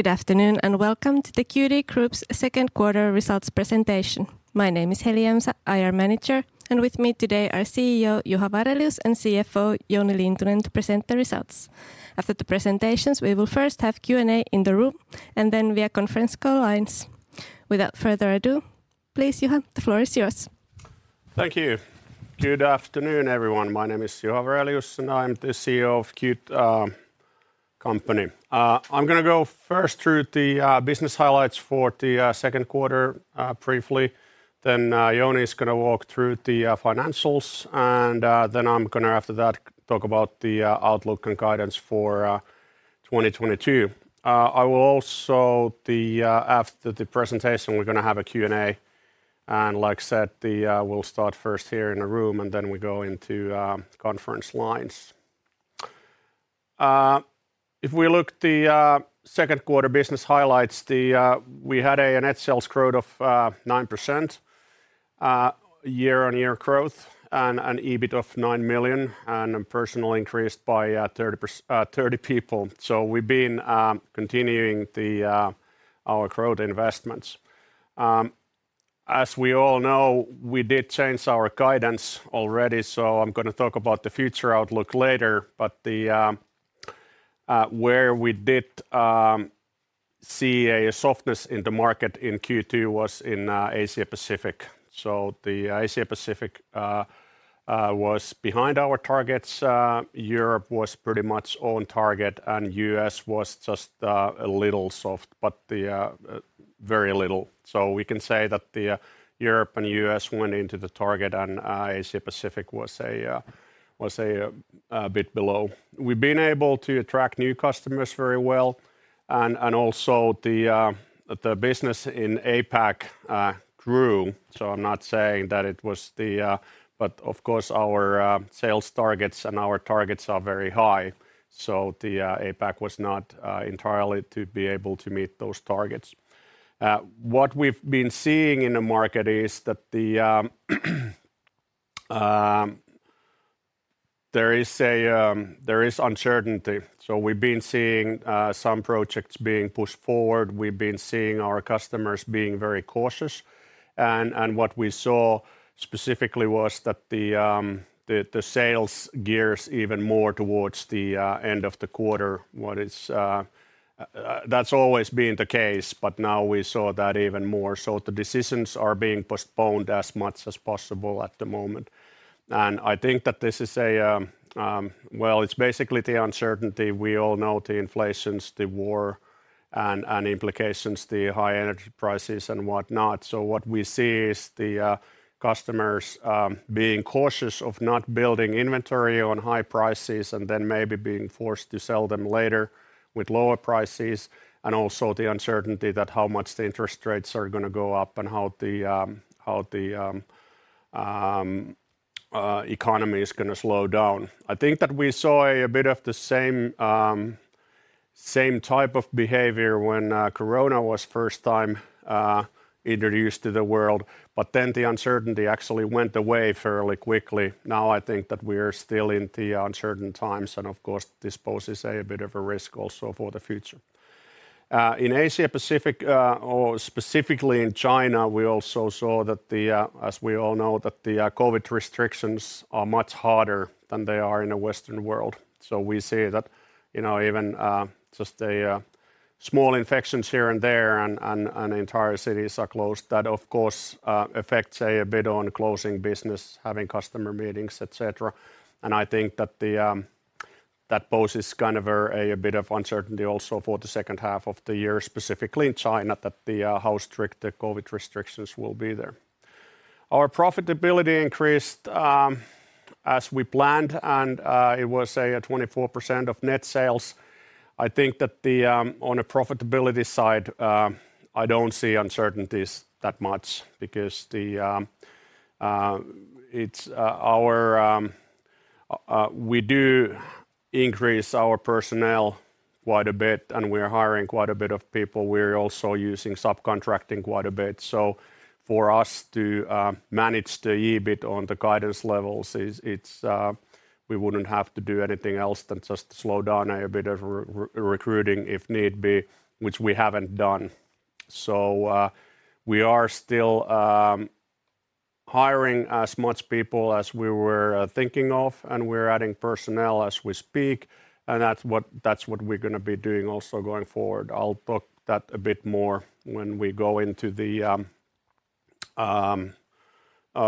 Good afternoon, and welcome to the Qt Group's second quarter results presentation. My name is Heli Jämsä, IR Manager, and with me today are CEO Juha Varelius and CFO Jouni Lintunen to present the results. After the presentations, we will first have Q&A in the room and then via conference call lines. Without further ado, please, Juha, the floor is yours. Thank you. Good afternoon, everyone. My name is Juha Varelius, and I'm the CEO of Qt Group. I'm gonna go first through the business highlights for the second quarter briefly. Then, Jouni is gonna walk through the financials and then I'm gonna after that talk about the outlook and guidance for 2022. After the presentation, we're gonna have a Q&A, and like I said, we'll start first here in the room, and then we go into conference lines. If we look at the second quarter business highlights, we had a net sales growth of 9% year-on-year and an EBIT of 9 million and personnel increased by 30 people, so we've been continuing our growth investments. As we all know, we did change our guidance already, so I'm gonna talk about the future outlook later. Where we did see a softness in the market in Q2 was in Asia-Pacific. The Asia-Pacific was behind our targets. Europe was pretty much on target, and U.S. was just a little soft but the very little. We can say that the Europe and U.S. went into the target and Asia-Pacific was a bit below. We've been able to attract new customers very well and also the business in APAC grew, so I'm not saying that it was the. Of course, our sales targets and our targets are very high, so the APAC was not entirely to be able to meet those targets. What we've been seeing in the market is that there is uncertainty, so we've been seeing some projects being pushed forward. We've been seeing our customers being very cautious and what we saw specifically was that the sales geared even more towards the end of the quarter. That's always been the case, but now we saw that even more. The decisions are being postponed as much as possible at the moment. I think that Well, it's basically the uncertainty. We all know the inflation, the war and implications, the high energy prices and whatnot. What we see is the customers being cautious of not building inventory on high prices and then maybe being forced to sell them later with lower prices and also the uncertainty that how much the interest rates are gonna go up and how the economy is gonna slow down. I think that we saw a bit of the same type of behavior when corona was first time introduced to the world, but then the uncertainty actually went away fairly quickly. Now I think that we're still in the uncertain times and of course this poses a bit of a risk also for the future. In Asia-Pacific, or specifically in China, we also saw that, as we all know, the COVID restrictions are much harder than they are in the Western world. We see that, you know, even just a small infections here and there and entire cities are closed. That of course affects a bit on closing business, having customer meetings, etc. I think that that poses kind of a bit of uncertainty also for the second half of the year, specifically in China that the how strict the COVID restrictions will be there. Our profitability increased as we planned and it was a 24% of net sales. I think that on a profitability side I don't see uncertainties that much because we do increase our personnel quite a bit, and we're hiring quite a bit of people. We're also using subcontracting quite a bit. For us to manage the EBIT on the guidance levels is. It's we wouldn't have to do anything else than just slow down a bit of recruiting if need be, which we haven't done. We are still hiring as much people as we were thinking of, and we're adding personnel as we speak, and that's what we're gonna be doing also going forward. I'll talk that a bit more when we go into the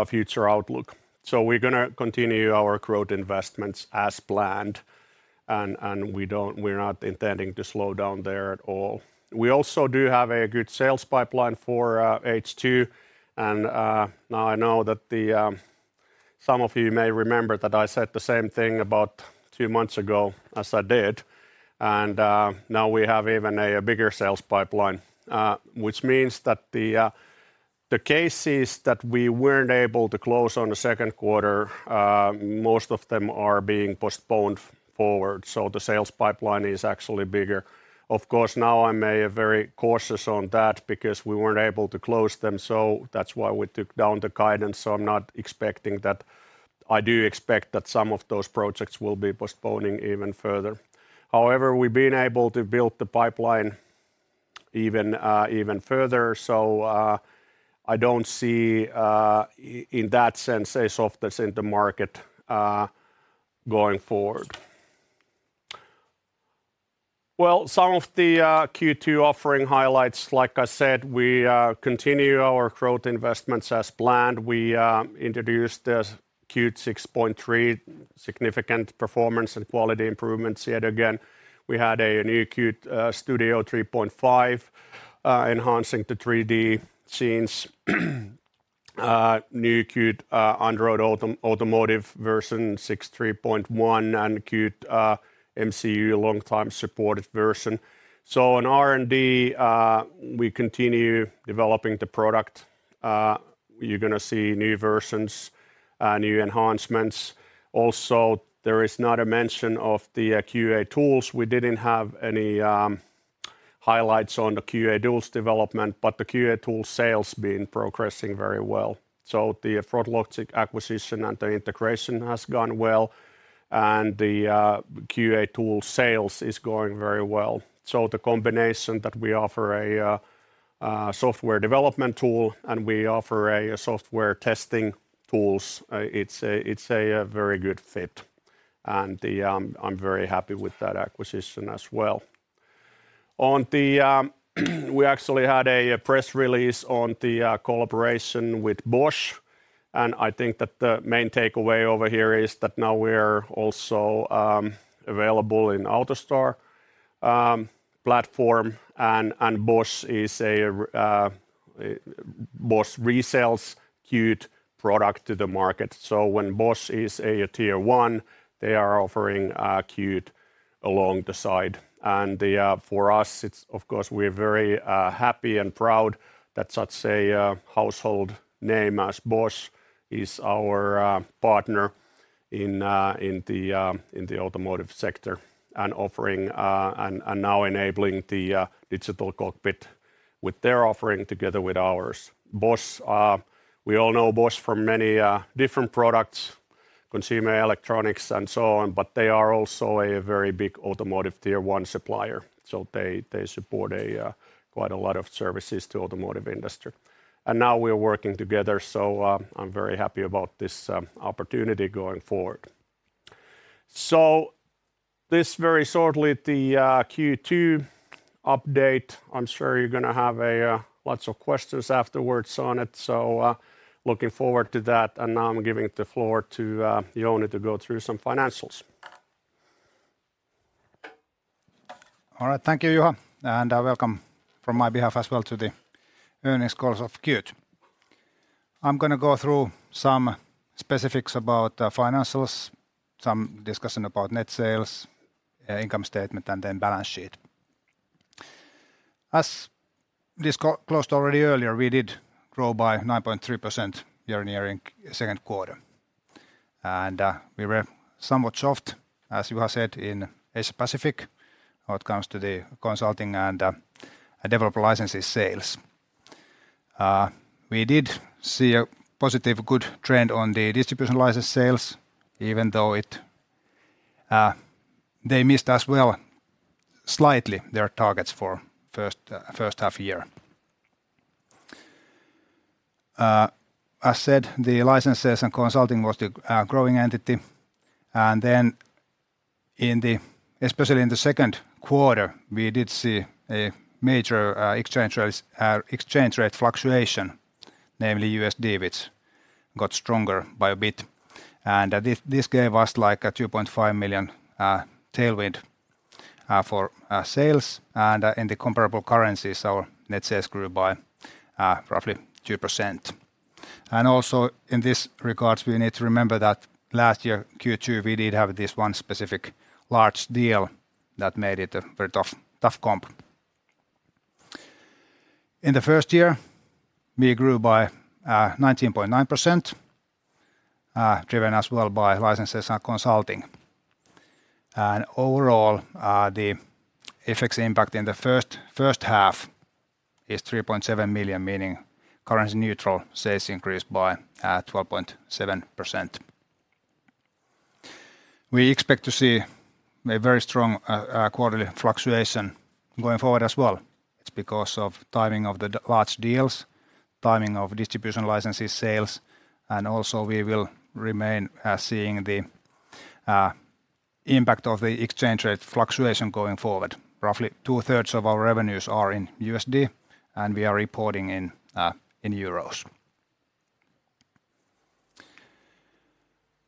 future outlook. We're gonna continue our growth investments as planned and we're not intending to slow down there at all. We also do have a good sales pipeline for H2 and now I know that some of you may remember that I said the same thing about two months ago as I did. Now we have even a bigger sales pipeline, which means that the cases that we weren't able to close in the second quarter, most of them are being postponed forward. The sales pipeline is actually bigger. Of course, now I'm very cautious on that because we weren't able to close them, so that's why we took down the guidance. I'm not expecting that. I do expect that some of those projects will be postponing even further. However, we've been able to build the pipeline even further. I don't see in that sense a softness in the market going forward. Some of the Q2 offering highlights, like I said, we continue our growth investments as planned. We introduced this Qt 6.3 significant performance and quality improvements yet again. We had a new Qt Design Studio 3.5 enhancing the 3D scenes. New Qt for Android Automotive 6.3, and Qt for MCUs long-term supported version. In R&D, we continue developing the product. You're gonna see new versions, new enhancements. Also, there is not a mention of the QA tools. We didn't have any highlights on the QA tools development, but the QA tools sales been progressing very well. The froglogic acquisition and the integration has gone well, and the QA tool sales is going very well. The combination that we offer a software development tool, and we offer software testing tools, it's a very good fit. I'm very happy with that acquisition as well. We actually had a press release on the collaboration with Bosch. I think that the main takeaway over here is that now we're also available in AutoStore platform. Bosch resells Qt product to the market. When Bosch is a Tier 1, they are offering Qt alongside. For us it's of course we're very happy and proud that such a household name as Bosch is our partner in the automotive sector, offering and now enabling the digital cockpit with their offering together with ours. Bosch, we all know Bosch from many different products, consumer electronics and so on, but they are also a very big automotive Tier 1 supplier, so they support quite a lot of services to automotive industry. Now we are working together, I'm very happy about this opportunity going forward. This very shortly the Q2 update. I'm sure you're gonna have lots of questions afterwards on it, looking forward to that. Now I'm giving the floor to Jouni to go through some financials. All right. Thank you, Juha, and welcome from my behalf as well to the earnings calls of Qt. I'm gonna go through some specifics about financials, some discussion about net sales, income statement, and then balance sheet. As discussed already earlier, we did grow by 9.3% year-on-year in second quarter. We were somewhat soft, as Juha said, in Asia Pacific when it comes to the consulting and developer licenses sales. We did see a positive, good trend on the distribution license sales even though they missed as well slightly their targets for first half year. As said, the licenses and consulting was the growing entity. Especially in the second quarter, we did see a major exchange rate fluctuation, namely USD, which got stronger by a bit. This gave us like a 2.5 million tailwind for sales. In the comparable currencies, our net sales grew by roughly 2%. Also in this regards, we need to remember that last year Q2 we did have this one specific large deal that made it a very tough comp. In the first half, we grew by 19.9%, driven as well by licenses and consulting. Overall, the FX impact in the first half is 3.7 million, meaning currency neutral sales increased by 12.7%. We expect to see a very strong quarterly fluctuation going forward as well. It's because of timing of the large deals, timing of distribution licenses sales, and also we will remain seeing the impact of the exchange rate fluctuation going forward. Roughly 2/3 of our revenues are in USD, and we are reporting in euros.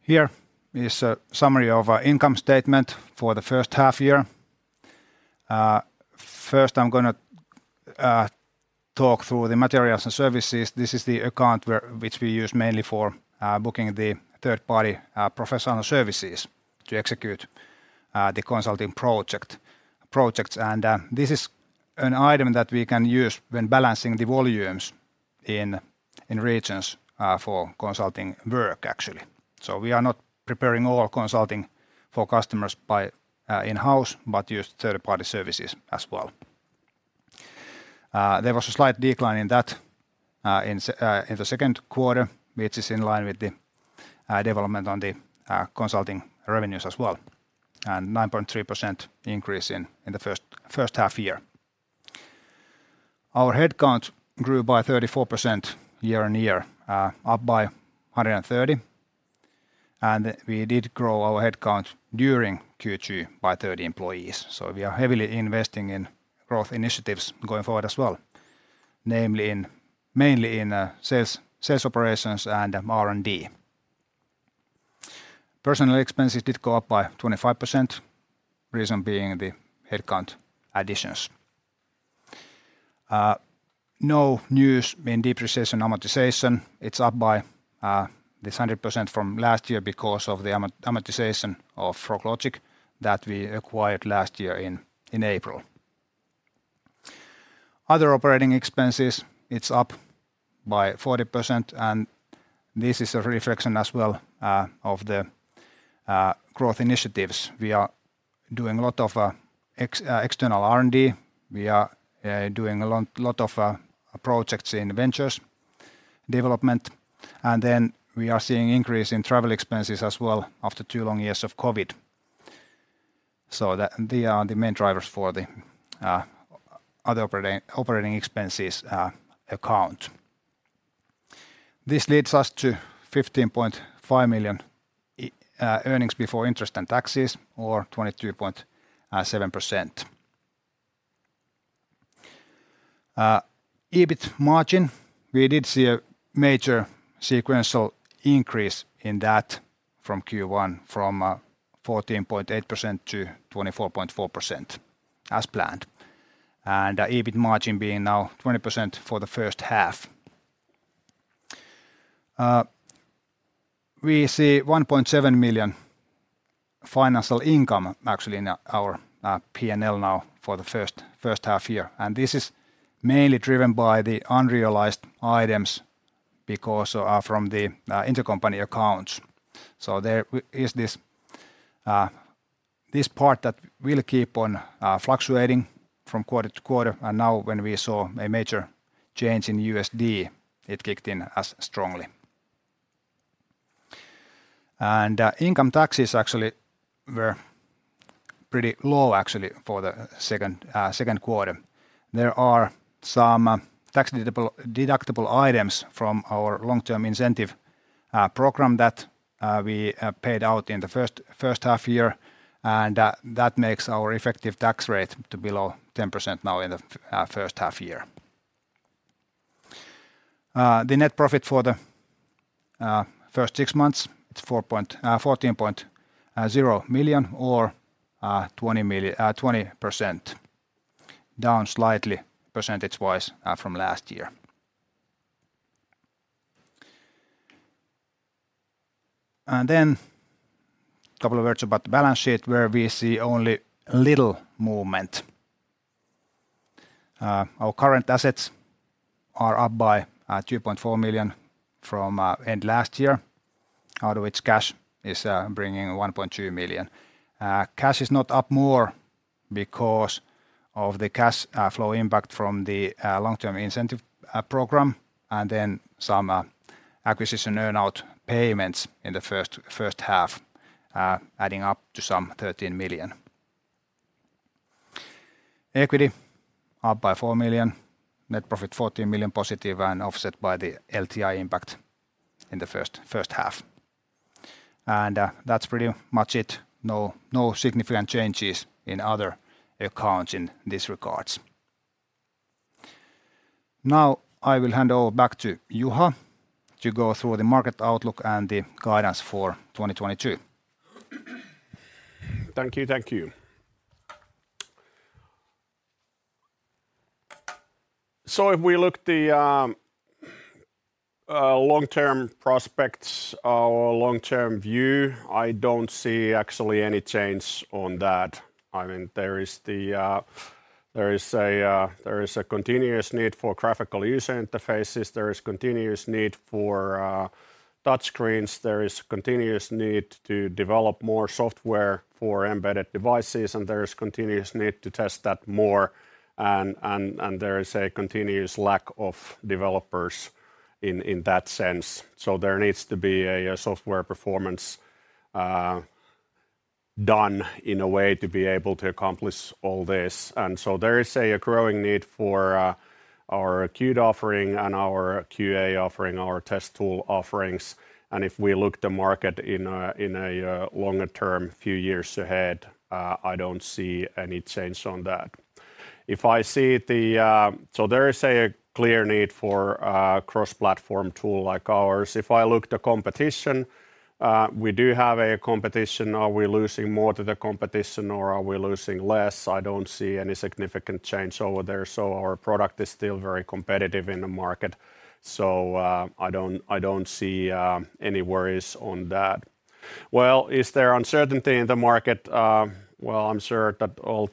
Here is a summary of our income statement for the first half year. First I'm gonna talk through the materials and services. This is the account which we use mainly for booking the third party professional services to execute the consulting projects. This is an item that we can use when balancing the volumes in regions for consulting work actually. We are not preparing all consulting for customers by in-house, but use third-party services as well. There was a slight decline in that in the second quarter, which is in line with the development in the consulting revenues as well, and 9.3% increase in the first half year. Our headcount grew by 34% year-on-year, up by 130, and we did grow our headcount during Q2 by 30 employees. We are heavily investing in growth initiatives going forward as well, mainly in sales operations and R&D. Personnel expenses did go up by 25%, reason being the headcount additions. No news in depreciation and amortization. It's up by 100% from last year because of the amortization of froglogic that we acquired last year in April. Other operating expenses, it's up by 40%, and this is a reflection as well of the growth initiatives. We are doing a lot of external R&D. We are doing a lot of projects in ventures development, and then we are seeing increase in travel expenses as well after two long years of COVID. The main drivers for the other operating expenses account. This leads us to 15.5 million earnings before interest and taxes or 22.7%. EBIT margin, we did see a major sequential increase in that from Q1, 14.8% to 24.4% as planned, and our EBIT margin being now 20% for the first half. We see 1.7 million financial income actually in our P&L now for the first half year, and this is mainly driven by the unrealized items because from the intercompany accounts. There is this part that will keep on fluctuating from quarter to quarter, and now when we saw a major change in USD, it kicked in as strongly. Income taxes actually were pretty low actually for the second quarter. There are some tax deductible items from our long-term incentive program that we paid out in the first half year, and that makes our effective tax rate to below 10% now in the first half year. The net profit for the first six months is 14.0 million or 20% down slightly percentage-wise from last year. Then couple of words about the balance sheet where we see only little movement. Our current assets are up by 2.4 million from end last year out of which cash is bringing 1.2 million. Cash is not up more because of the cash flow impact from the long-term incentive program, and then some acquisition earn out payments in the first half, adding up to some 13 million. Equity up by 4 million. Net profit 14 million positive and offset by the LTI impact in the first half. That's pretty much it. No significant changes in other accounts in this regards. Now I will hand over back to Juha to go through the market outlook and the guidance for 2022. Thank you. If we look at the long-term prospects or long-term view, I don't see actually any change on that. I mean, there is a continuous need for graphical user interfaces. There is continuous need for touchscreens. There is continuous need to develop more software for embedded devices, and there is continuous need to test that more and there is a continuous lack of developers in that sense. There needs to be software performance done in a way to be able to accomplish all this. There is a growing need for our Qt offering and our QA offering, our test tool offerings. If we look at the market in a longer term, few years ahead, I don't see any change on that. There is a clear need for a cross-platform tool like ours. If I look at the competition, we do have competition. Are we losing more to the competition or are we losing less? I don't see any significant change over there. Our product is still very competitive in the market. I don't see any worries on that. Well, is there uncertainty in the market? Well, I'm sure that all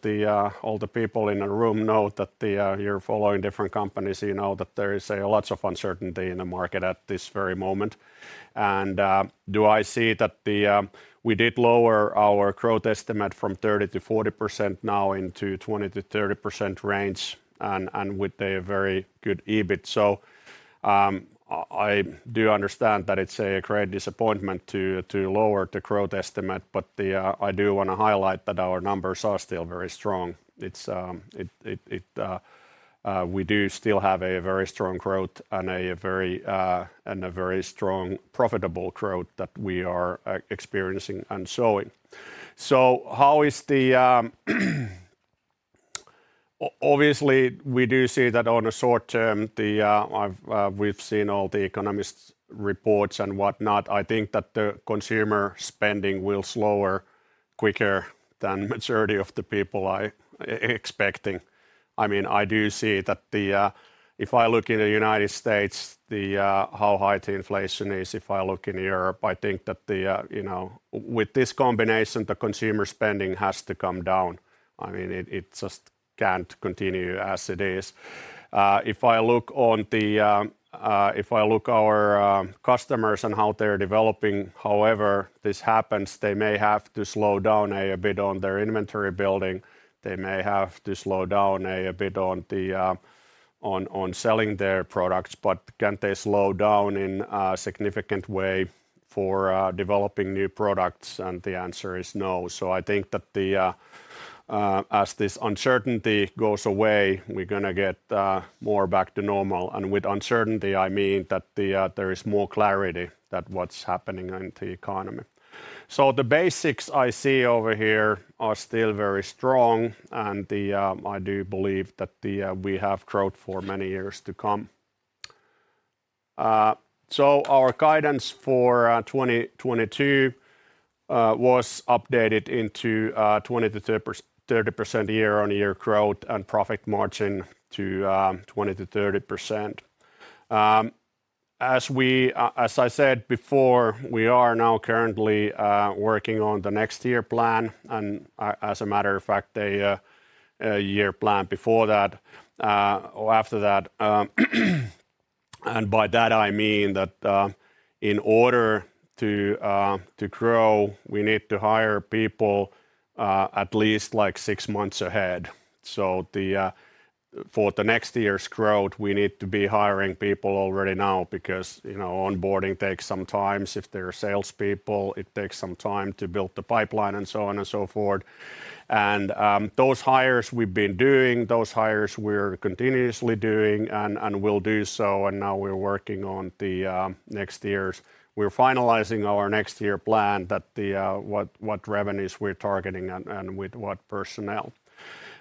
the people in the room know that you're following different companies you know that there is a lot of uncertainty in the market at this very moment. Do I see that? We did lower our growth estimate from 30%-40% now into 20%-30% range and with a very good EBIT. I do understand that it's a great disappointment to lower the growth estimate, but I do wanna highlight that our numbers are still very strong. We do still have a very strong growth and a very strong profitable growth that we are experiencing and showing. Obviously we do see that on a short-term we've seen all the economists' reports and whatnot. I think that the consumer spending will slow quicker than majority of the people are expecting. I mean, I do see that. If I look in the United States, how high the inflation is, if I look in Europe, I think that, you know, with this combination, the consumer spending has to come down. I mean, it just can't continue as it is. If I look at our customers and how they're developing however this happens, they may have to slow down a bit on their inventory building. They may have to slow down a bit on selling their products. Can they slow down in a significant way for developing new products? The answer is no. I think that as this uncertainty goes away, we're gonna get more back to normal. With uncertainty, I mean that there is more clarity that what's happening in the economy. The basics I see over here are still very strong, and I do believe that we have growth for many years to come. Our guidance for 2022 was updated into 20%-30% year-on-year growth and profit margin to 20%-30%. As I said before, we are now currently working on the next year plan, and as a matter of fact, a year plan before that, or after that. By that I mean that in order to grow, we need to hire people at least like six months ahead. For the next year's growth, we need to be hiring people already now because, you know, onboarding takes some time. If they're salespeople, it takes some time to build the pipeline and so on and so forth. Those hires we're continuously doing and will do so, and now we're working on the next year's. We're finalizing our next year plan that what revenues we're targeting and with what personnel.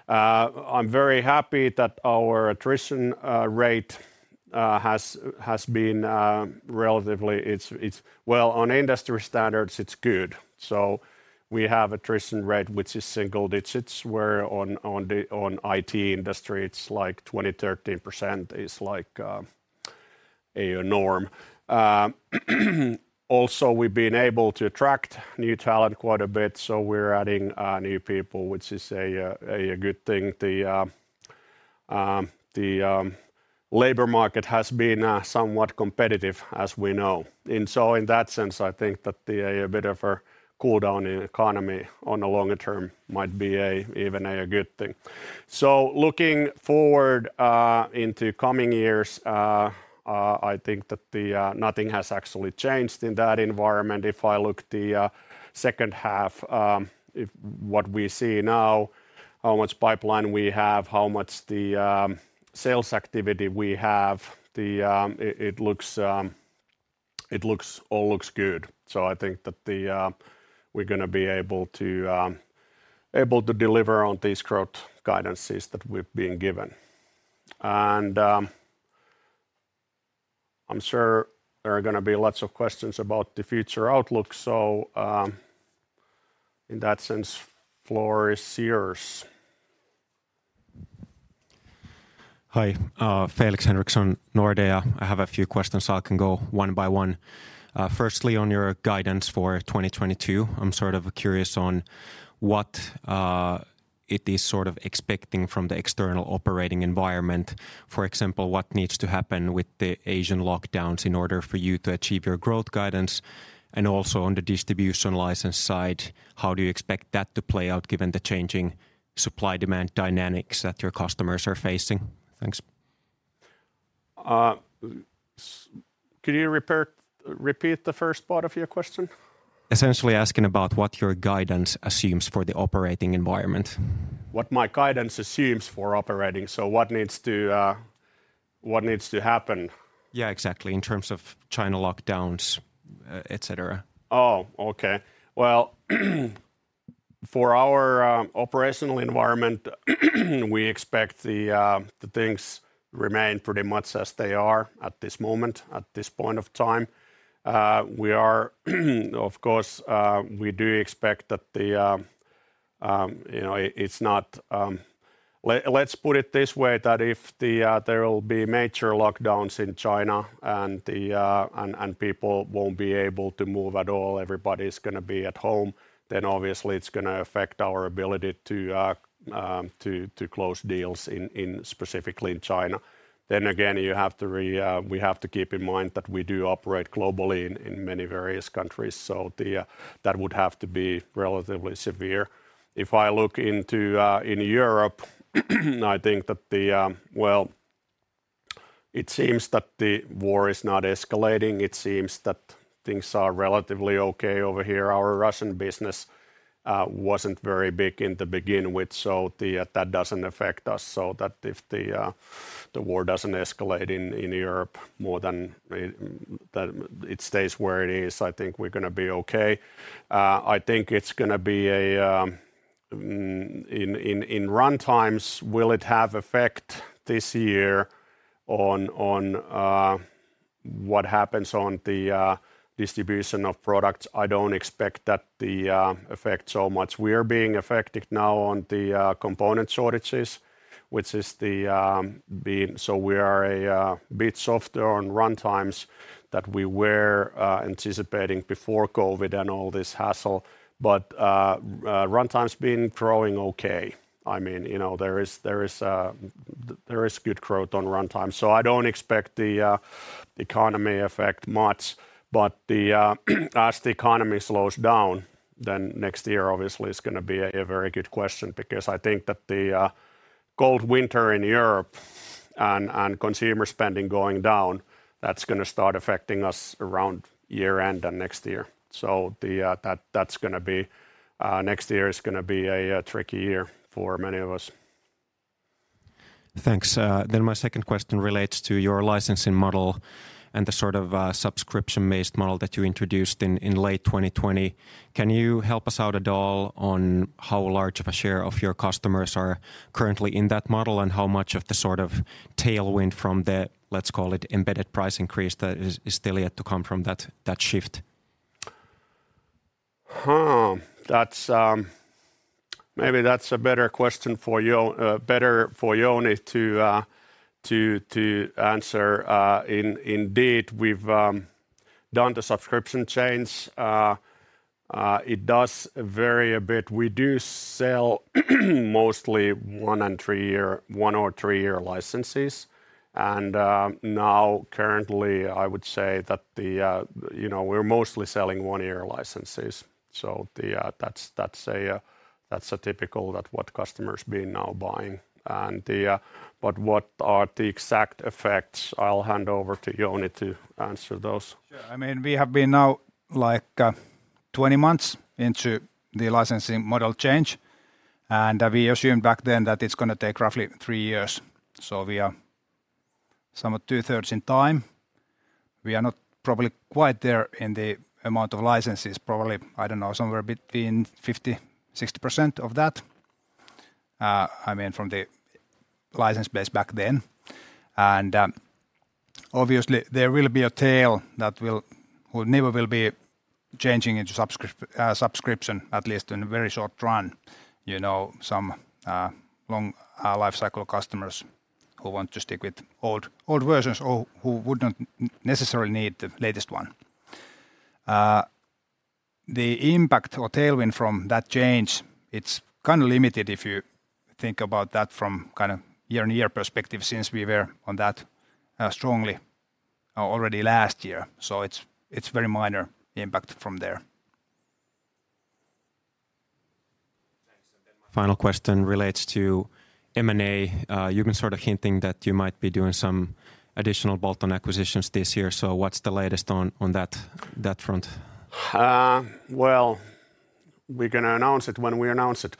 I'm very happy that our attrition rate has been relatively. It's good. Well, on industry standards it's good. We have attrition rate which is single digits, where on the IT industry, it's like 20%, 13% is like a norm. Also we've been able to attract new talent quite a bit, so we're adding new people, which is a good thing. The labor market has been somewhat competitive as we know. In that sense, I think that a bit of a cool down in economy on a longer term might be even a good thing. Looking forward into coming years, I think that nothing has actually changed in that environment. If I look to the second half, if what we see now, how much pipeline we have, how much the sales activity we have, it all looks good. I think that we're gonna be able to deliver on these growth guidances that we've been given. I'm sure there are gonna be lots of questions about the future outlook. In that sense, floor is yours. Hi, Felix Henriksson, Nordea. I have a few questions. I can go one by one. Firstly, on your guidance for 2022, I'm sort of curious on what it is sort of expecting from the external operating environment. For example, what needs to happen with the Asian lockdowns in order for you to achieve your growth guidance? On the distribution license side, how do you expect that to play out given the changing supply-demand dynamics that your customers are facing? Thanks. Could you repeat the first part of your question? Essentially asking about what your guidance assumes for the operating environment? What my guidance assumes for operating. What needs to happen? Yeah, exactly. In terms of China lockdowns, etc. Oh, okay. Well, for our operational environment, we expect the things remain pretty much as they are at this moment, at this point of time. We are, of course, we do expect that you know, it's not. Let's put it this way that if there will be major lockdowns in China and people won't be able to move at all, everybody's gonna be at home, then obviously it's gonna affect our ability to close deals in specifically in China. Then again, we have to keep in mind that we do operate globally in many various countries, so that would have to be relatively severe. If I look into in Europe, I think that. Well, it seems that the war is not escalating. It seems that things are relatively okay over here. Our Russian business wasn't very big to begin with, so that doesn't affect us so that if the war doesn't escalate in Europe more than that it stays where it is, I think we're gonna be okay. I think it's gonna be a in runtimes, will it have effect this year on what happens on the distribution of products? I don't expect that the effect so much. We're being affected now on the component shortages. We are a bit softer on runtimes that we were anticipating before COVID and all this hassle. Runtimes been growing okay. I mean, you know, there is good growth on runtime. I don't expect the economy affect much. As the economy slows down, then next year obviously is gonna be a very good question because I think that the cold winter in Europe and consumer spending going down, that's gonna start affecting us around year end and next year. That's gonna be next year is gonna be a tricky year for many of us. Thanks. My second question relates to your licensing model and the sort of subscription-based model that you introduced in late 2020. Can you help us out at all on how large of a share of your customers are currently in that model? How much of the sort of tailwind from the, let's call it, embedded price increase that is still yet to come from that shift? That's a better question for Jouni to answer. Indeed, we've done the subscription change. It does vary a bit. We do sell mostly one- or three-year licenses. Now currently I would say that the, you know, we're mostly selling one-year licenses. That's a typical that what customers been now buying. What are the exact effects, I'll hand over to Jouni to answer those. Sure. I mean, we have been now like 20 months into the licensing model change, and we assumed back then that it's gonna take roughly three years. We are somewhat two-thirds in time. We are not probably quite there in the amount of licenses, probably. I don't know, somewhere between 50%-60% of that, I mean, from the license base back then. Obviously there will be a tail that will never be changing into subscription, at least in the very short run. You know, some long lifecycle customers who want to stick with old versions or who wouldn't necessarily need the latest one. The impact or tailwind from that change is kind of limited if you think about that from kind of year-on-year perspective since we were on that strongly already last year. It's very minor impact from there. Thanks. Then my final question relates to M&A. You've been sort of hinting that you might be doing some additional bolt-on acquisitions this year. What's the latest on that front? Well, we're gonna announce it when we announce it.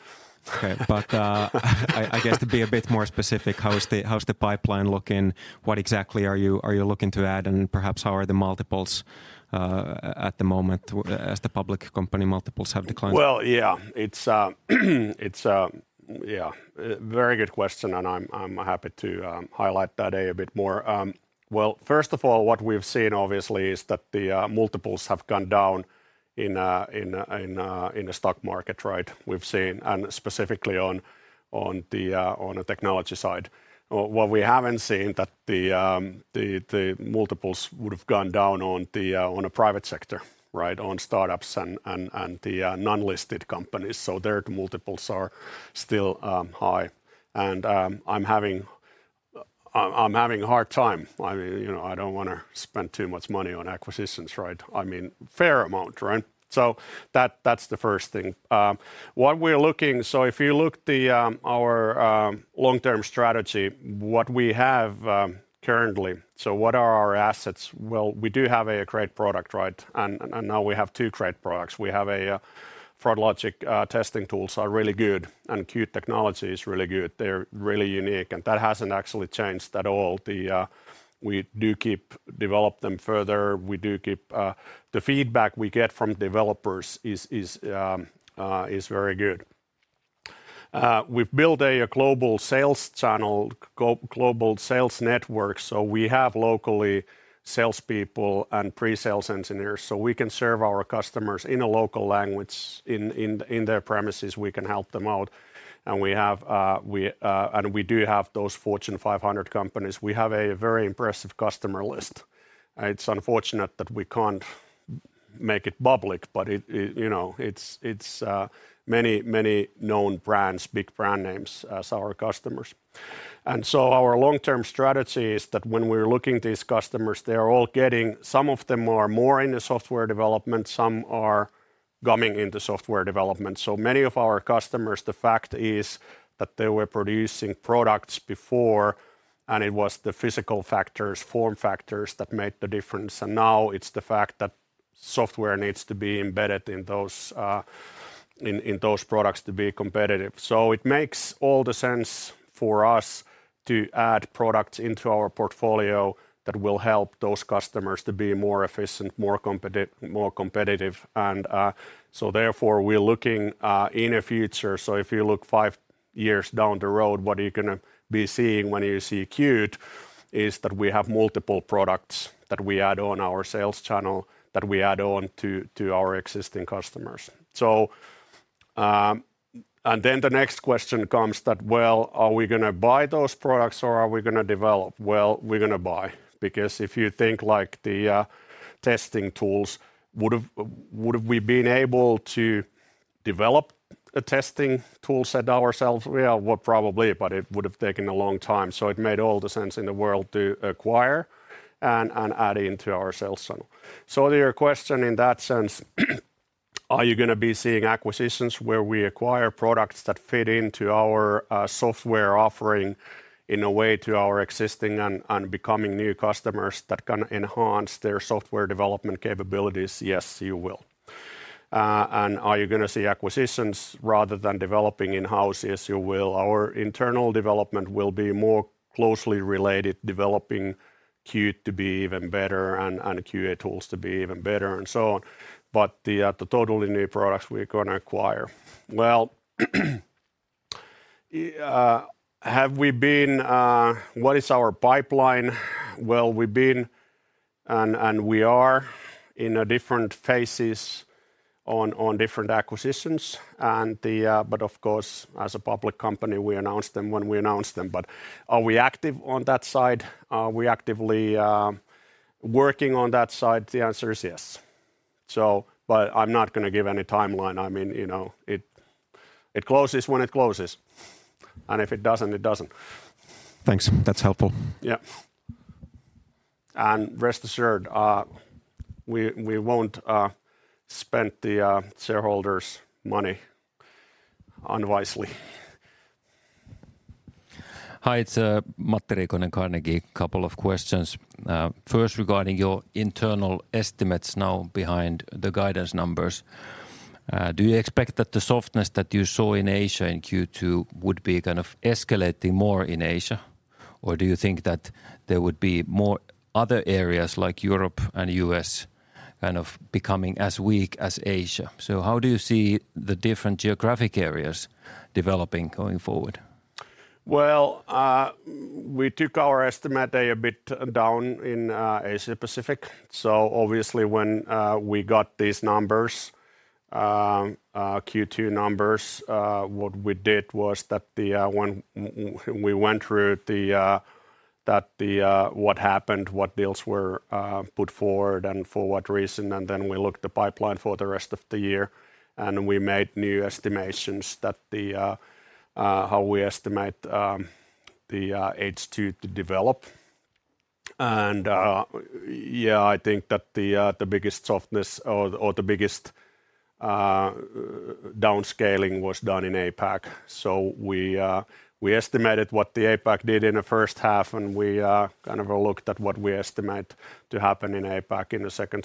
Okay. I guess to be a bit more specific, how's the pipeline looking? What exactly are you looking to add? Perhaps how are the multiples at the moment as the public company multiples have declined? Well, yeah. It's yeah, a very good question and I'm happy to highlight that a bit more. Well, first of all, what we've seen obviously is that the multiples have gone down in the stock market, right? We've seen and specifically on the technology side. What we haven't seen that the multiples would have gone down on a private sector, right, on startups and the non-listed companies. Their multiples are still high. I'm having a hard time. I mean, you know, I don't wanna spend too much money on acquisitions, right? I mean, fair amount, right? That, that's the first thing. What we're looking If you look at our long-term strategy, what we have currently, what are our assets? Well, we do have a great product, right? Now we have two great products. We have froglogic testing tools are really good and Qt technology is really good. They're really unique, and that hasn't actually changed at all. We do keep developing them further. The feedback we get from developers is very good. We've built a global sales channel, global sales network, so we have local salespeople and pre-sales engineers, so we can serve our customers in a local language in their premises, we can help them out. We do have those Fortune 500 companies. We have a very impressive customer list. It's unfortunate that we can't make it public, but you know, it's many known brands, big brand names as our customers. Our long-term strategy is that when we're looking at these customers, they are all getting. Some of them are more in the software development, some are coming into software development. Many of our customers, the fact is that they were producing products before, and it was the physical factors, form factors that made the difference, and now it's the fact that software needs to be embedded in those, in those products to be competitive. It makes all the sense for us to add products into our portfolio that will help those customers to be more efficient, more competitive. Therefore, we're looking into the future. If you look five years down the road, what are you gonna be seeing when you see Qt is that we have multiple products that we add on our sales channel, that we add on to our existing customers. Then the next question comes that, well, are we gonna buy those products or are we gonna develop? Well, we're gonna buy. Because if you think like the testing tools, would've we been able to develop a testing toolset ourselves? Well, probably, but it would've taken a long time. It made all the sense in the world to acquire and add into our sales channel. To your question in that sense, are you gonna be seeing acquisitions where we acquire products that fit into our software offering in a way to our existing and becoming new customers that can enhance their software development capabilities? Yes, you will. Are you gonna see acquisitions rather than developing in-house? Yes, you will. Our internal development will be more closely related, developing Qt to be even better and QA tools to be even better and so on. The totally new products we're gonna acquire. What is our pipeline? Well, we've been and we are in different phases on different acquisitions. Of course, as a public company, we announce them when we announce them. Are we active on that side? Are we actively working on that side? The answer is yes. I'm not gonna give any timeline. I mean, you know, it closes when it closes. If it doesn't, it doesn't. Thanks. That's helpful. Yeah. Rest assured, we won't spend the shareholders' money unwisely. Hi, it's Matti Riikonen, Carnegie. Couple of questions. First, regarding your internal estimates now behind the guidance numbers, do you expect that the softness that you saw in Asia in Q2 would be kind of escalating more in Asia? Or do you think that there would be more other areas like Europe and U.S. kind of becoming as weak as Asia? How do you see the different geographic areas developing going forward? Well, we took our estimate a bit down in Asia-Pacific. Obviously when we got these numbers, Q2 numbers, what we did was we went through what happened, what deals were put forward, and for what reason, and then we looked at the pipeline for the rest of the year, and we made new estimations that how we estimate the H2 to develop. Yeah, I think that the biggest softness or the biggest downscaling was done in APAC. We estimated what the APAC did in the first half, and we kind of looked at what we estimate to happen in APAC in the second.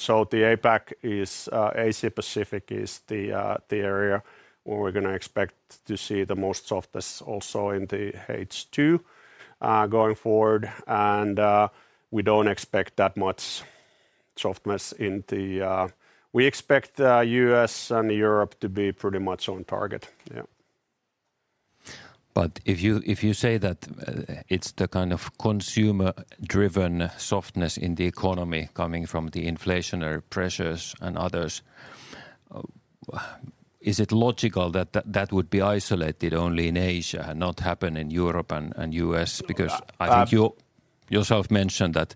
Asia-Pacific is the area where we're gonna expect to see the most softness also in the H2 going forward. We don't expect that much softness. We expect U.S. and Europe to be pretty much on target. If you say that it's the kind of consumer-driven softness in the economy coming from the inflationary pressures and others, is it logical that that would be isolated only in Asia and not happen in Europe and U.S.? Uh, uh- Because I think you yourself mentioned that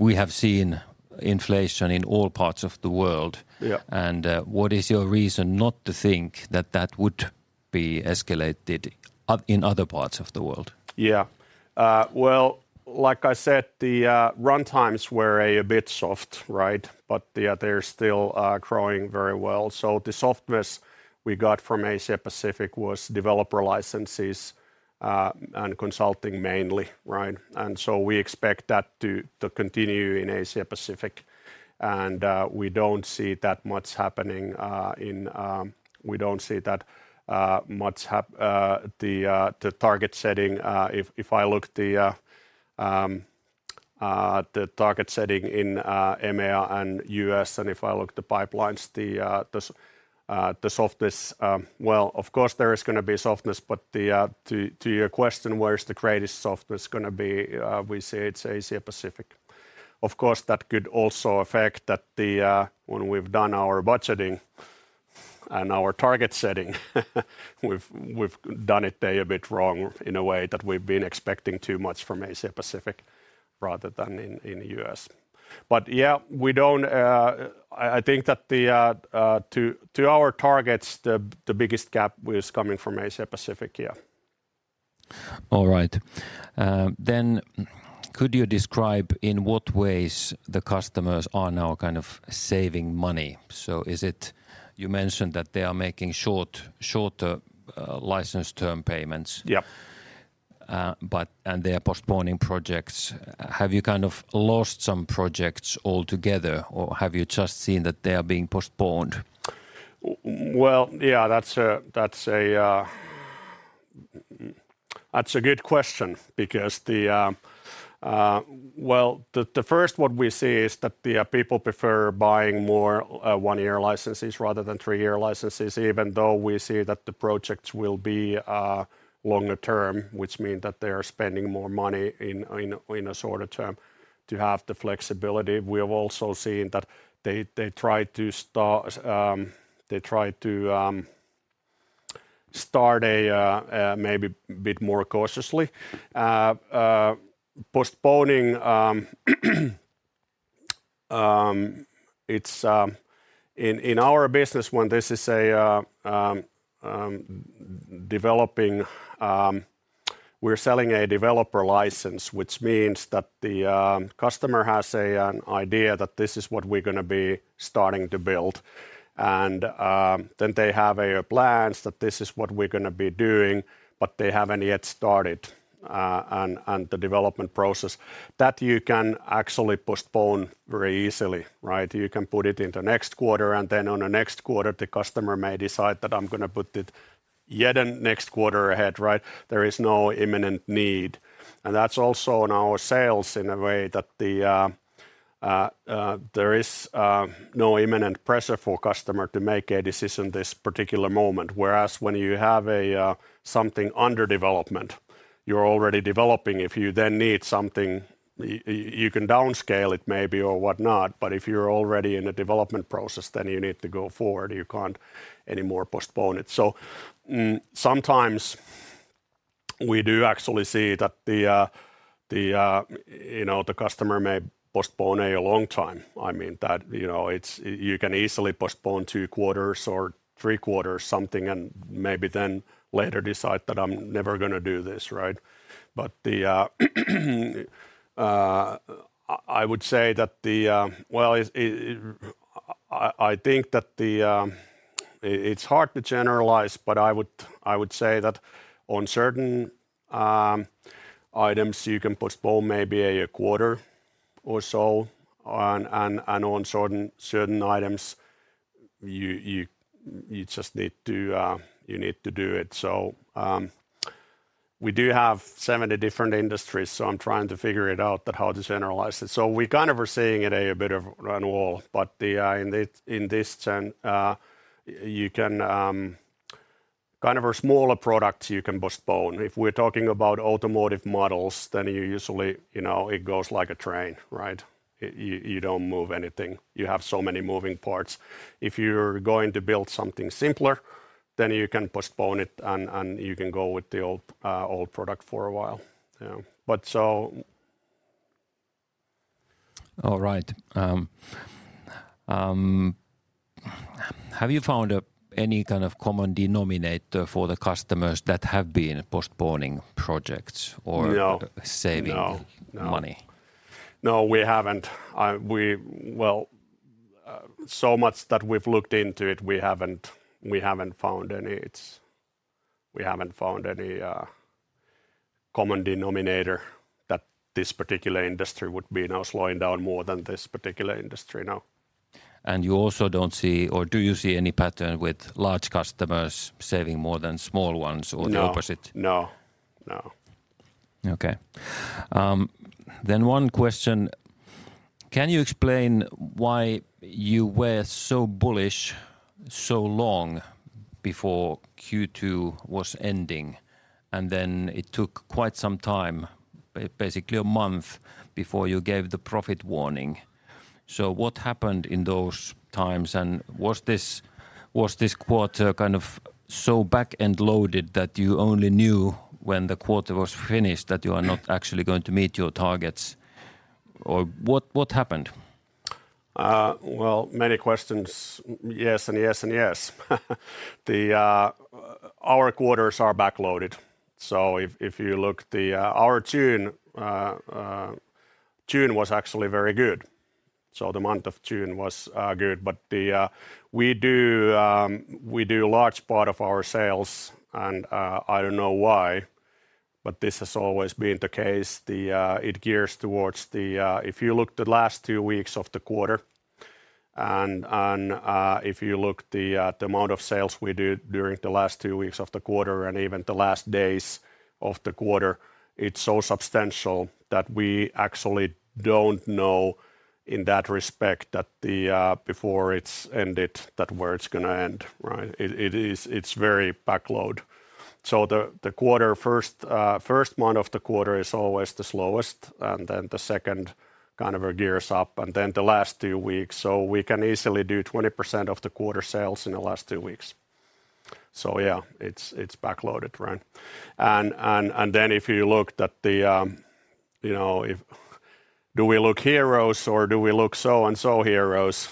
we have seen inflation in all parts of the world. Yeah. What is your reason not to think that that would be escalated in other parts of the world? Yeah. Well, like I said, the runtimes were a bit soft, right? They're still growing very well. The softness we got from Asia-Pacific was developer licenses and consulting mainly, right? We expect that to continue in Asia-Pacific. We don't see that much happening in the target setting in EMEA and U.S., and if I look at the pipelines, the softness. Well, of course there is gonna be softness, but to your question, where is the greatest softness gonna be? We say it's Asia-Pacific. Of course, that could also affect when we've done our budgeting and our target setting, we've done it there a bit wrong in a way that we've been expecting too much from Asia-Pacific rather than in the U.S. Yeah, we don't. I think that, to our targets, the biggest gap is coming from Asia-Pacific, yeah. All right. Could you describe in what ways the customers are now kind of saving money? Is it? You mentioned that they are making shorter license term payments. Yeah They're postponing projects. Have you kind of lost some projects altogether or have you just seen that they are being postponed? Well, yeah, that's a good question because the first one we see is that the people prefer buying more one year licenses rather than three year licenses even though we see that the projects will be longer term, which mean that they are spending more money in a shorter term to have the flexibility. We have also seen that they try to start a bit more cautiously. In our business, when this is a developing. We're selling a developer license, which means that the customer has an idea that this is what we're gonna be starting to build and then they have plans that this is what we're gonna be doing, but they haven't yet started and the development process. That you can actually postpone very easily, right? You can put it in the next quarter, and then on the next quarter, the customer may decide that I'm gonna put it yet in next quarter ahead, right? There is no imminent need. That's also in our sales in a way that there is no imminent pressure for customer to make a decision this particular moment. Whereas when you have something under development, you're already developing. If you then need something, you can downscale it maybe or whatnot, but if you're already in the development process, then you need to go forward. You can't anymore postpone it. Sometimes we do actually see that you know, the customer may postpone a long time. I mean, that you know, it's. You can easily postpone two quarters or three quarters something and maybe then later decide that I'm never gonna do this, right? I would say that the. Well, it's. I think that it's hard to generalize, but I would say that on certain items, you can postpone maybe a quarter or so, and on certain items, you just need to do it. We do have 70 different industries, so I'm trying to figure it out that how to generalize it. We kind of are seeing it a bit of run wall, but in this sense you can kind of a smaller product you can postpone. If we're talking about automotive models, then you usually, you know, it goes like a train, right? You don't move anything. You have so many moving parts. If you're going to build something simpler, then you can postpone it and you can go with the old product for a while. Yeah. All right. Have you found any kind of common denominator for the customers that have been postponing projects or- No... saving- No ...money? No, we haven't. Well, so much that we've looked into it, we haven't found any common denominator that this particular industry would be now slowing down more than this particular industry, no. You also don't see or do you see any pattern with large customers saving more than small ones or the opposite? No. No. No. Okay. One question. Can you explain why you were so bullish so long before Q2 was ending, and then it took quite some time, basically a month, before you gave the profit warning? What happened in those times, and was this quarter kind of so back-loaded that you only knew when the quarter was finished that you are not actually going to meet your targets? Or what happened? Well, many questions. Yes, yes, and yes. Our quarters are backloaded, so if you look at the-- Our June was actually very good. The month of June was good, but we do large part of our sales, and I don't know why, but this has always been the case. It gears towards the-- If you look at the last two weeks of the quarter, and if you look at the amount of sales we did during the last two weeks of the quarter and even the last days of the quarter, it's so substantial that we actually don't know in that respect before it's ended where it's gonna end, right? It is. It's very backloaded. The first month of the quarter is always the slowest, and then the second kind of gears up, and then the last two weeks. We can easily do 20% of the quarter sales in the last two weeks. Yeah, it's backloaded, right? Then if you look at the, you know, if do we look euros or do we look so-and-so euros?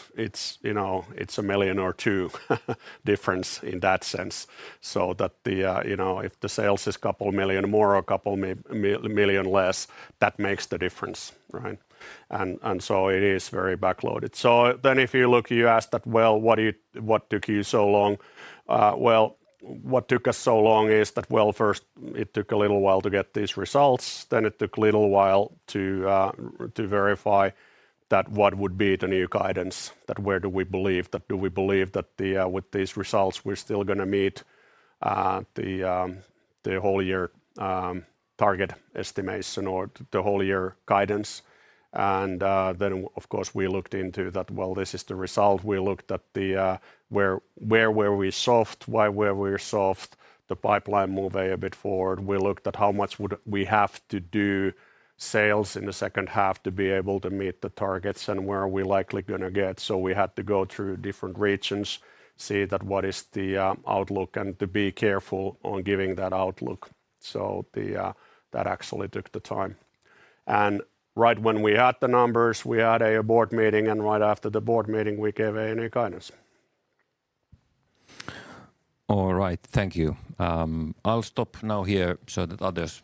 You know, it's 1 million orEUR 2 million difference in that sense. You know, if the sales is couple million more or couple million less, that makes the difference, right? It is very backloaded. Then if you look, you ask that, "Well, what do you What took you so long?" Well, what took us so long is that, well, first it took a little while to get these results, then it took a little while to verify what would be the new guidance, where do we believe that with these results we're still gonna meet the whole year target estimation or the whole year guidance. Then of course we looked into that, well, this is the result. We looked at where we were soft, why were we soft, the pipeline moved a bit forward. We looked at how much we would have to do sales in the second half to be able to meet the targets and where we are likely gonna get. We had to go through different regions, see that what is the outlook and to be careful on giving that outlook. That actually took the time. Right when we had the numbers, we had a board meeting, and right after the board meeting we gave a new guidance. All right. Thank you. I'll stop now here so that others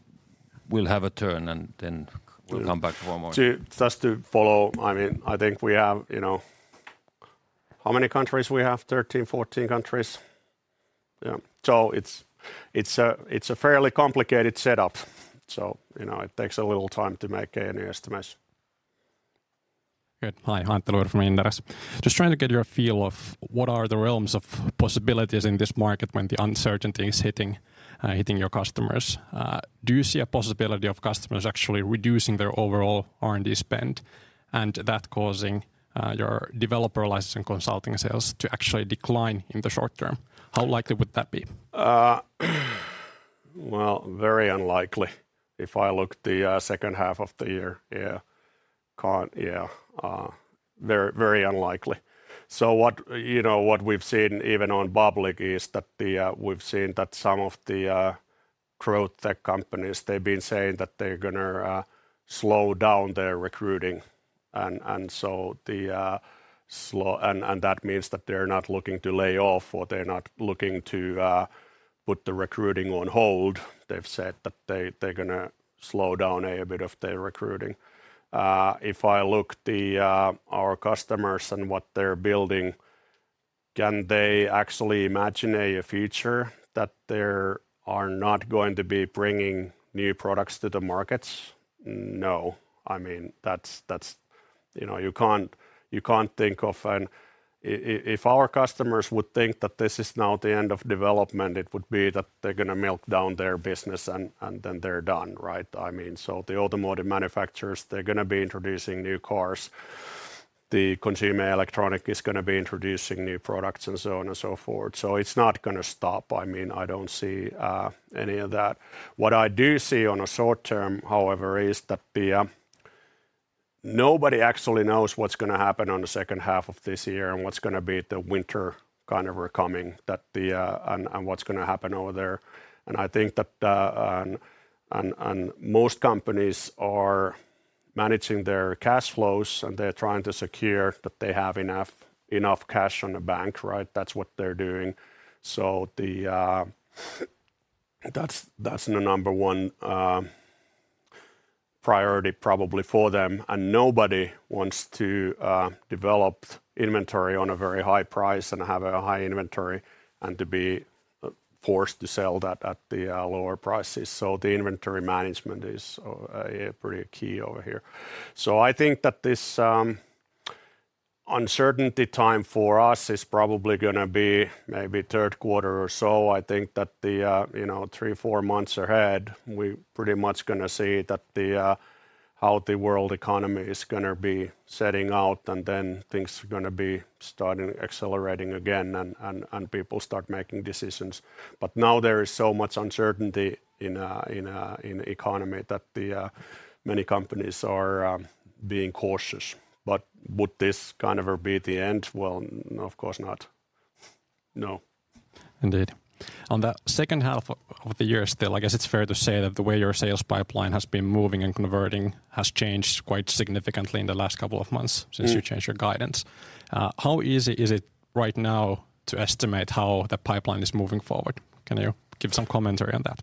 will have a turn, and then we'll come back for more. Just to follow, I mean, I think we have, you know, how many countries we have? 13, 14 countries. Yeah. It's a fairly complicated setup, so, you know, it takes a little time to make any estimates. Good. Hi. Antti Luiro from Inderes. Just trying to get a feel of what are the realms of possibilities in this market when the uncertainty is hitting your customers. Do you see a possibility of customers actually reducing their overall R&D spend, and that causing your developer license and consulting sales to actually decline in the short term? How likely would that be? Well, very unlikely. If I look at the second half of the year. Very unlikely. What, you know, what we've seen even publicly is that we've seen that some of the growth tech companies, they've been saying that they're gonna slow down their recruiting. That means that they're not looking to lay off or they're not looking to put the recruiting on hold. They've said that they're gonna slow down a bit of their recruiting. If I look at our customers and what they're building, can they actually imagine a future that they are not going to be bringing new products to the markets? No. I mean, that's, you know, you can't think of an. If our customers would think that this is now the end of development, it would be that they're gonna wind down their business and then they're done, right? I mean, the automotive manufacturers, they're gonna be introducing new cars. The consumer electronics is gonna be introducing new products and so on and so forth. It's not gonna stop. I mean, I don't see any of that. What I do see on a short term, however, is that nobody actually knows what's gonna happen on the second half of this year and what's gonna be the winter kind of coming that and most companies are managing their cash flows, and they're trying to secure that they have enough cash in the bank, right? That's what they're doing. That's the number one priority probably for them. Nobody wants to develop inventory at a very high price and have a high inventory and to be forced to sell that at the lower prices. The inventory management is pretty key over here. I think that these uncertain times for us is probably gonna be maybe third quarter or so. I think that you know, three to four months ahead, we're pretty much gonna see that the how the world economy is gonna be shaping up and then things are gonna be starting accelerating again and people start making decisions. Now there is so much uncertainty in the economy that the many companies are being cautious. Would this kind of be the end? Well, no, of course not. No. Indeed. On the second half of the year still, I guess it's fair to say that the way your sales pipeline has been moving and converting has changed quite significantly in the last couple of months. Since you changed your guidance. How easy is it right now to estimate how the pipeline is moving forward? Can you give some commentary on that?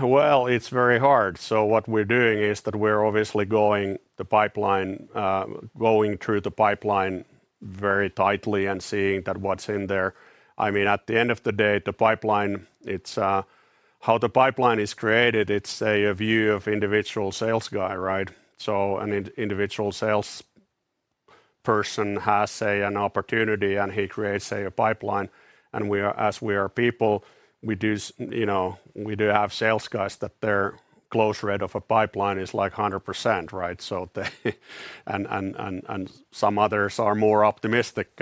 Well, it's very hard. What we're doing is that we're obviously going through the pipeline very tightly and seeing that what's in there. I mean, at the end of the day, the pipeline, it's how the pipeline is created, it's a view of individual sales guy, right? An individual sales person has, say, an opportunity and he creates, say, a pipeline, and we are as we are people, you know, we do have sales guys that their close rate of a pipeline is like 100%, right? They and some others are more optimistic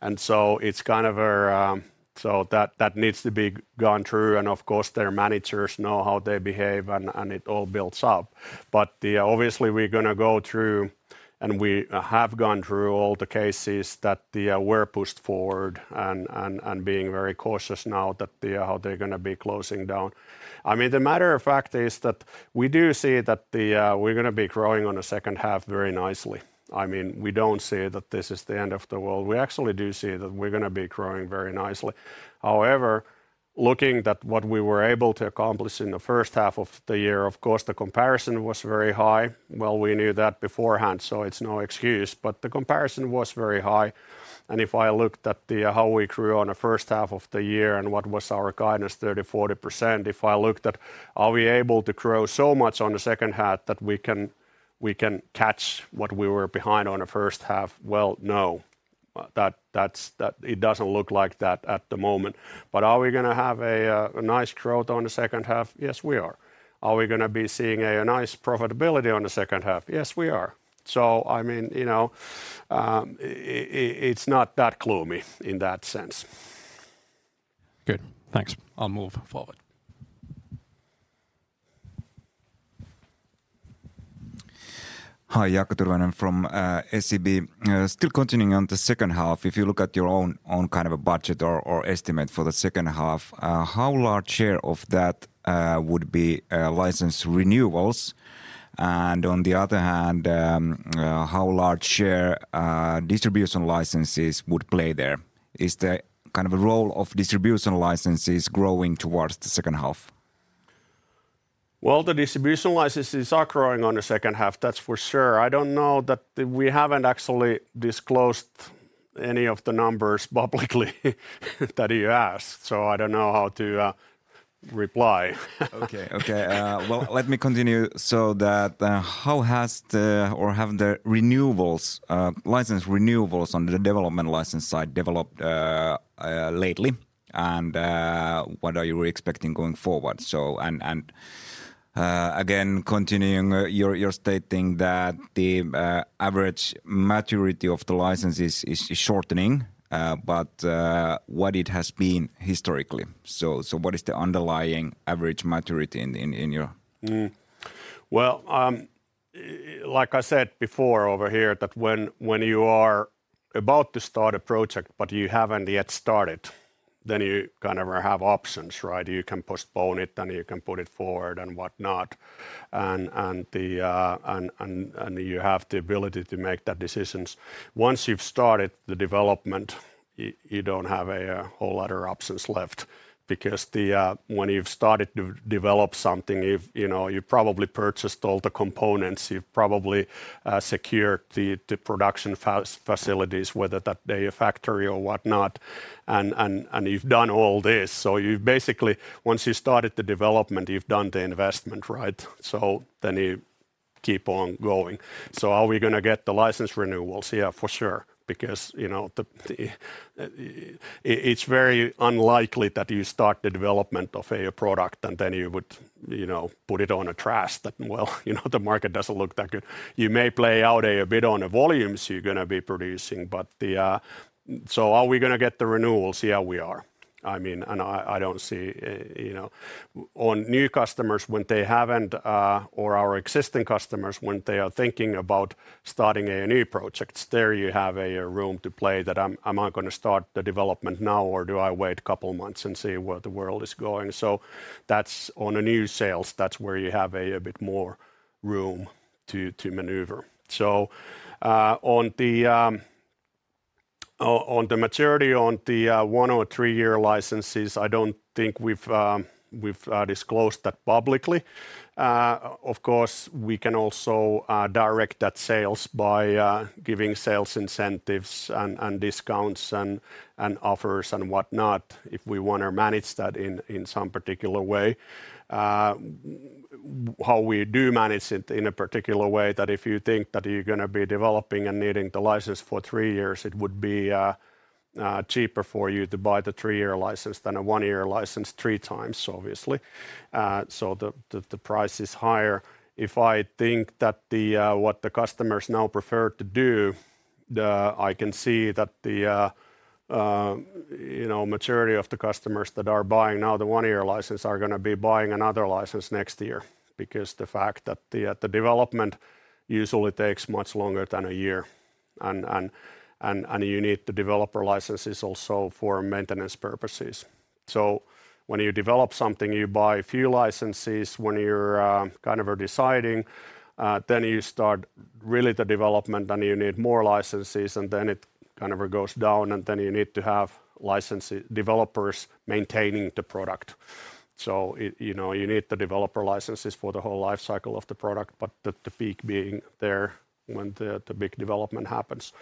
and so it's kind of a. That needs to be gone through and of course their managers know how they behave and it all builds up. Yeah, obviously we're gonna go through, and we have gone through all the cases that, yeah, were pushed forward and being very cautious now that, yeah, how they're gonna be closing down. I mean, the fact of the matter is that we do see that we're gonna be growing in the second half very nicely. I mean, we don't see that this is the end of the world. We actually do see that we're gonna be growing very nicely. However, looking at what we were able to accomplish in the first half of the year, of course the comparison was very high. Well, we knew that beforehand, so it's no excuse, but the comparison was very high. If I looked at how we grew in the first half of the year and what was our guidance, 30%-40%. If I looked at are we able to grow so much on the second half that we can catch what we were behind on the first half, well, no. That's. It doesn't look like that at the moment. Are we gonna have a nice growth on the second half? Yes, we are. Are we gonna be seeing a nice profitability on the second half? Yes, we are. I mean, you know, it's not that gloomy in that sense. Good. Thanks. I'll move forward. Hi. Jaakko Tyrväinen from SEB. Still continuing on the second half, if you look at your own kind of a budget or estimate for the second half, how large share of that would be license renewals? And on the other hand, how large share distribution licenses would play there? Is the kind of a role of distribution licenses growing towards the second half? Well, the distribution licenses are growing in the second half, that's for sure. I don't know that we haven't actually disclosed any of the numbers publicly that you asked, so I don't know how to reply. Well, let me continue. How have the renewals, license renewals on the development license side developed lately? What are you expecting going forward? Again continuing, you're stating that the average maturity of the licenses is shortening but what it has been historically. What is the underlying average maturity in your- Well, like I said before over here, that when you are about to start a project but you haven't yet started, then you kind of have options, right? You can postpone it and you can put it forward and whatnot. You have the ability to make the decisions. Once you've started the development, you don't have a whole lot of options left because when you've started to develop something, you know, you probably purchased all the components, you've probably secured the production facilities, whether that they are factory or whatnot, and you've done all this. You've basically, once you started the development, you've done the investment, right? You keep on going. Are we gonna get the license renewals? Yeah, for sure. Because, you know, it's very unlikely that you start the development of a product and then you would, you know, put it in the trash that, well, you know, the market doesn't look that good. You may play down a bit on the volumes you're gonna be producing, but. Are we gonna get the renewals? Yeah, we are. I mean, and I don't see, you know. On new customers, when they haven't or our existing customers when they are thinking about starting a new project, there you have a room to play that am I gonna start the development now or do I wait a couple months and see where the world is going? That's on the new sales, that's where you have a bit more room to maneuver. On the maturity on the one or three year licenses, I don't think we've disclosed that publicly. Of course, we can also direct that sales by giving sales incentives and discounts and offers and whatnot if we wanna manage that in some particular way. How we do manage it in a particular way that if you think that you're gonna be developing and needing the license for three years, it would be cheaper for you to buy the three year license than a one year license 3x, obviously. The price is higher. If I think that what the customers now prefer to do, I can see that you know, maturity of the customers that are buying now the one-year license are gonna be buying another license next year because the fact that the development usually takes much longer than a year and you need the developer licenses also for maintenance purposes. When you develop something, you buy a few licenses. When you're kind of are deciding, then you start really the development and you need more licenses, and then it kind of goes down, and then you need to have license developers maintaining the product. It, you know, you need the developer licenses for the whole life cycle of the product, but the peak being there when the big development happens.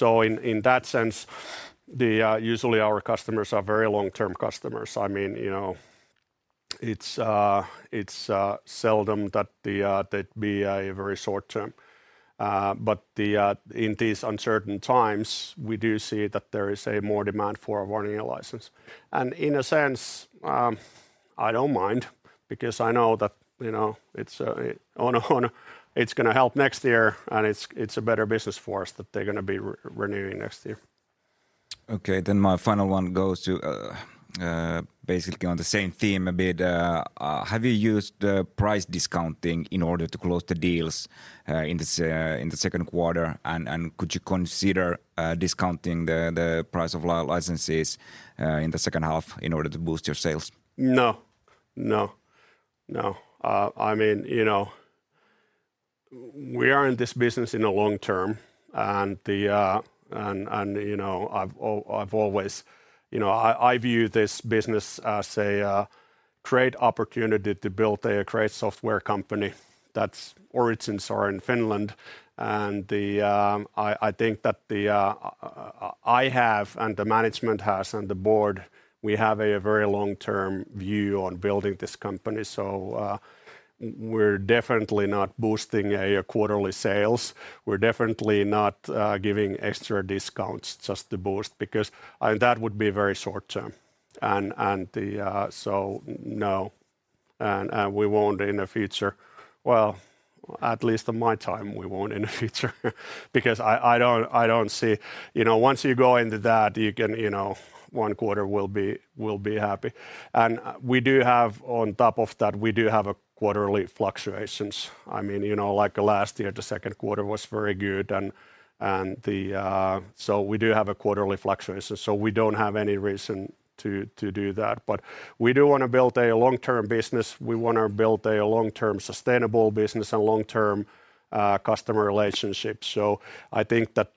In that sense, usually our customers are very long-term customers. I mean, you know, it's seldom that there is a very short term. But in these uncertain times, we do see that there is more demand for a one-year license. In a sense, I don't mind because I know that, you know, it's gonna help next year, and it's a better business for us that they're gonna be renewing next year. Okay. My final one goes to, basically on the same theme a bit. Have you used price discounting in order to close the deals in the second quarter, and could you consider discounting the price of licenses in the second half in order to boost your sales? No. I mean, you know, we are in this business in the long term, and you know, I've always, you know, I view this business as a great opportunity to build a great software company that's origins are in Finland. I think that I have, and the management has, and the board, we have a very long-term view on building this company so we're definitely not boosting quarterly sales. We're definitely not giving extra discounts just to boost because that would be very short-term, so no. We won't in the future. Well, at least in my time we won't in the future because I don't see. You know, once you go into that you can, you know, one quarter we'll be happy. We do have on top of that quarterly fluctuations. I mean, you know, like last year the second quarter was very good. We do have a quarterly fluctuation so we don't have any reason to do that. We do wanna build a long-term business. We wanna build a long-term sustainable business and long-term customer relationship. I think that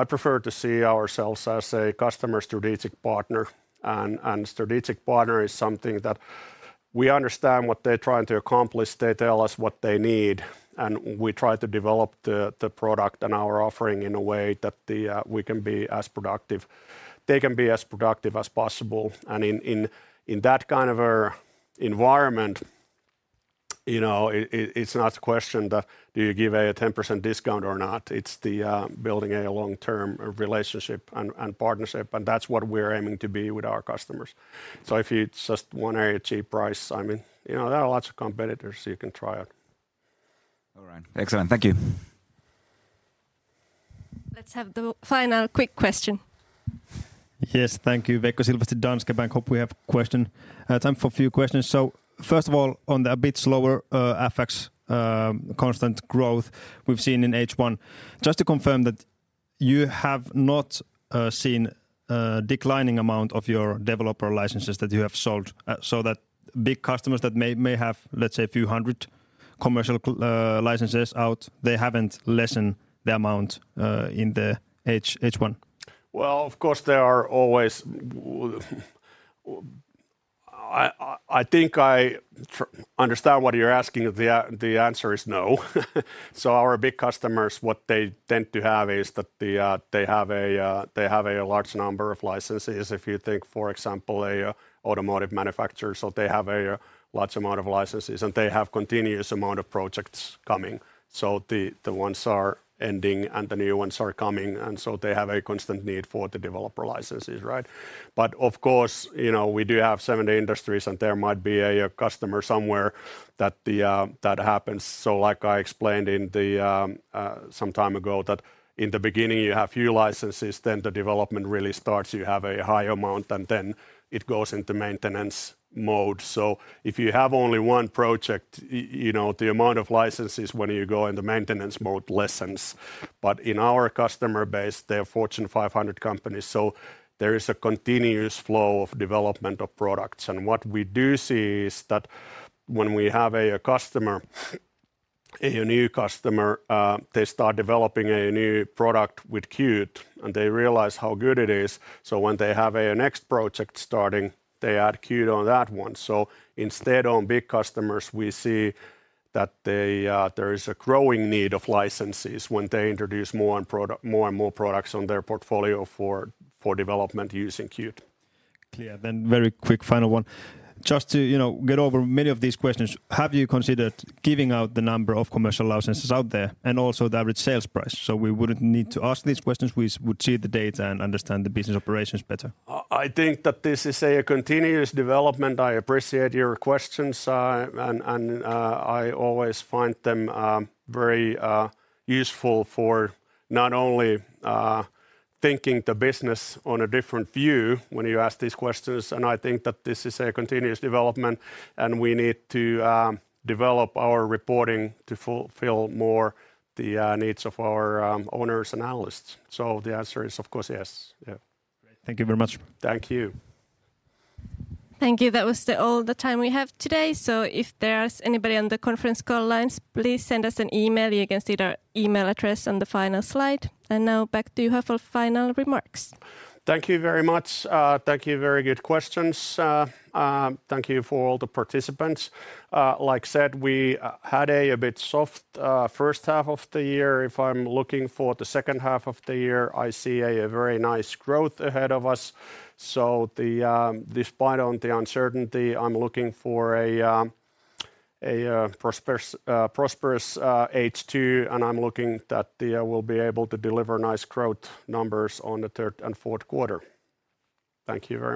I prefer to see ourselves as a customer strategic partner and strategic partner is something that we understand what they're trying to accomplish. They tell us what they need, and we try to develop the product and our offering in a way that they can be as productive as possible and in that kind of a environment, you know, it's not a question that do you give a 10% discount or not. It's the building a long-term relationship and partnership, and that's what we're aiming to be with our customers. If it's just one area cheap price, I mean, you know, there are lots of competitors you can try out. All right. Excellent. Thank you. Let's have the final quick question. Yes. Thank you. Waltteri Rossi at Danske Bank. Hope we have time for a few questions. First of all on the a bit slower FX constant growth we've seen in H1, just to confirm that you have not seen declining amount of your developer licenses that you have sold, so that big customers that may have let's say a few hundred commercial licenses out, they haven't lessened the amount in H1? Well, of course they are always. I think I understand what you're asking. The answer is no. Our big customers what they tend to have is that they have a large number of licenses if you think for example automotive manufacturer, so they have a large amount of licenses and they have continuous amount of projects coming. The ones are ending and the new ones are coming and so they have a constant need for the developer licenses, right? Of course, you know, we do have 70 industries and there might be a customer somewhere that happens. Like I explained some time ago that in the beginning you have few licenses, then the development really starts, you have a high amount and then it goes into maintenance mode. If you have only one project you know the amount of licenses when you go in the maintenance mode lessens. In our customer base they are Fortune 500 companies, so there is a continuous flow of development of products. What we do see is that when we have a customer, a new customer, they start developing a new product with Qt and they realize how good it is. When they have a next project starting they add Qt on that one. Instead, on big customers we see that there is a growing need of licenses when they introduce more and more products on their portfolio for development using Qt. Clear. Very quick final one. Just to, you know, get over many of these questions, have you considered giving out the number of commercial licenses out there and also the average sales price so we wouldn't need to ask these questions, we would see the data and understand the business operations better? I think that this is a continuous development. I appreciate your questions, and I always find them very useful for not only thinking the business on a different view when you ask these questions, and I think that this is a continuous development and we need to develop our reporting to fulfill more the needs of our owners and analysts. The answer is of course yes. Yeah. Great. Thank you very much. Thank you. Thank you. That was all the time we have today. If there's anybody on the conference call lines please send us an email. You can see the email address on the final slide. Now back to you, Juha Varelius, for final remarks. Thank you very much. Thank you, very good questions. Thank you for all the participants. As said, we had a bit soft first half of the year. If I'm looking for the second half of the year I see a very nice growth ahead of us, so despite of the uncertainty I'm looking for a prosperous H2 and I'm looking that we'll be able to deliver nice growth numbers on the third and fourth quarter. Thank you very much.